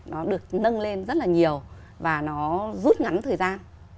nó được nâng lên rất là nhiều và nó rút ngắn thời gian